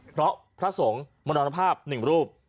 เพราะพระสงฆ์มรณภาพ๑รูป